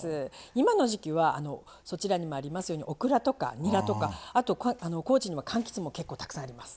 今の時季はそちらにもありますようにオクラとかニラとかあと高知にはかんきつも結構たくさんあります。